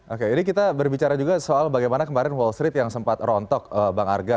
oke ini kita berbicara juga soal bagaimana kemarin wall street yang sempat rontok bang arga